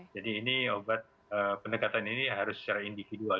jadi obat pendekatan ini harus secara individual